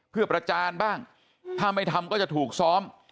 เพื่อประจานบ้างถ้าไม่ทำก็จะถูกซ้อม